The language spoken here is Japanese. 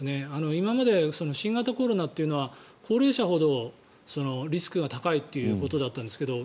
今まで新型コロナというのは高齢者ほどリスクが高いということだったんですけど